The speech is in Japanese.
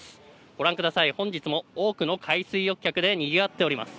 御覧ください、本日も多くの海水浴客でにぎわっています。